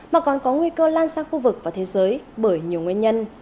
mà còn có nguy cơ lan sang khu vực và thế giới bởi nhiều nguyên nhân